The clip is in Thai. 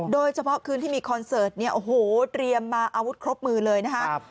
โดยเฉพาะคืนที่มีคอนเสิร์ตเนี่ยโอ้โหเตรียมมาอาวุธครบมือเลยนะครับ